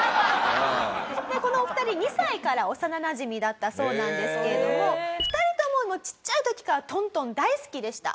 でこのお二人２歳から幼なじみだったそうなんですけれども２人ともちっちゃい時から東東大好きでした。